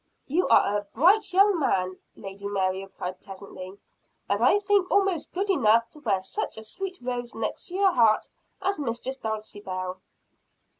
"You are a bright young man," Lady Mary replied pleasantly, "and I think almost good enough to wear such a sweet rose next your heart as Mistress Dulcibel."